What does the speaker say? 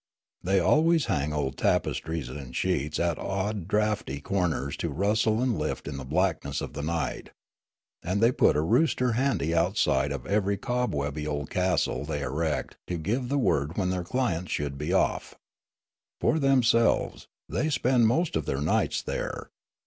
They always hang old tapestries and sheets at odd draughty corners to rustle and lift in the blackness of the night; and they put a rooster handy outside of every cobwebby old castle they erect to give the word when their clients should be off. For themselves, they spend most of their nights there.